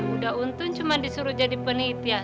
udah untung cuma disuruh jadi penelitian